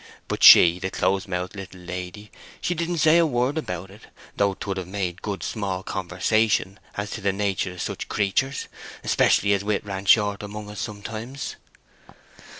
But she, the close mouthed little lady, she didn't say a word about it; though 'twould have made good small conversation as to the nater of such creatures; especially as wit ran short among us sometimes."